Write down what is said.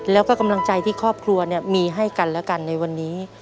แล้วก็กำลังใจที่ครอบครัวมีให้กันและกันในวันนี้